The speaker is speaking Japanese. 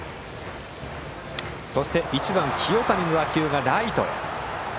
そして１番、清谷の打球がライトへ。